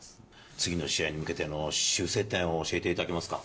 次の試合に向けての修正点を教えていただけますか。